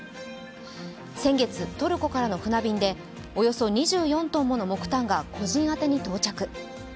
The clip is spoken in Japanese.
先月、トルコからの船便でおよそ２４ｔもの木炭が個人宛てに到着。